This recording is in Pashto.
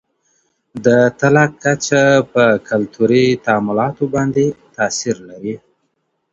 د طلاق کچه په کلتوري تعاملاتو باندې تاثیر لري.